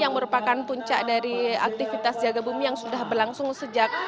yang merupakan puncak dari aktivitas jaga bumi yang sudah berlangsung sejak